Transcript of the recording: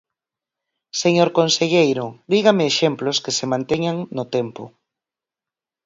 Señor conselleiro, dígame exemplos que se manteñan no tempo.